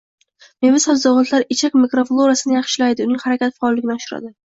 Meva-sabzavotlar ichak mikroflorasini yaxshilaydi, uning harakat faolligini oshiradi.